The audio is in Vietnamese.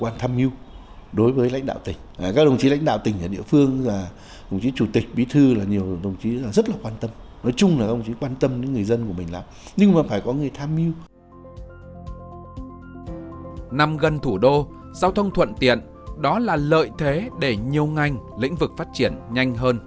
nằm gần thủ đô giao thông thuận tiện đó là lợi thế để nhiều ngành lĩnh vực phát triển nhanh hơn